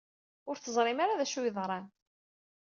Ur teẓrim ara d acu ay yeḍran.